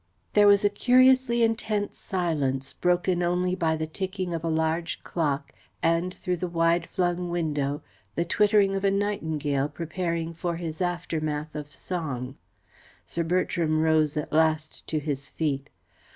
There was a curiously intense silence, broken only by the ticking of a large clock, and, through the wide flung window, the twittering of a nightingale preparing for his aftermath of song. Sir Bertram rose at last to his feet.